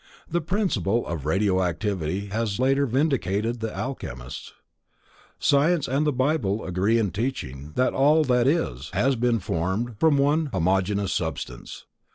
The principle of radio activity has later vindicated the Alchemists. Science and the Bible agree in teaching, that all that is, has been formed from one homogeneous substance.